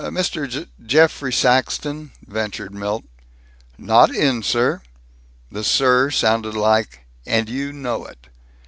"Mr. G g geoffrey Saxton?" ventured Milt. "Not in, sir." The "sir" sounded like "And you know it."